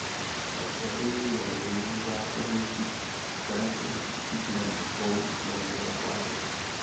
Na zbarvení je nejnápadnější charakteristický tmavý „vous“ na bílé tváři.